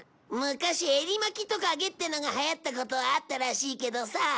昔エリマキトカゲってのが流行ったことはあったらしいけどさ。